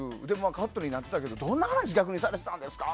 カットになってたけどどんな話されてたんですか？